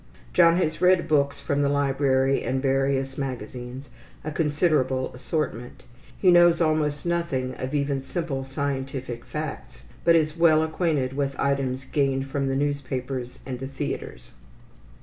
John has read books from the library and various magazines, a considerable assortment. He knows almost nothing of even simple scientific facts, but is well acquainted with items gained from the newspapers and the theatres.